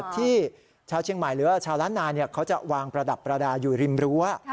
ที่ชาวเชียงใหม่หรือว่าชาวล้านนาเขาจะวางประดับประดาษอยู่ริมรั้ว